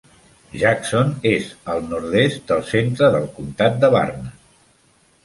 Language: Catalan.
Jackson és al nord-est del centre del comtat de Burnett.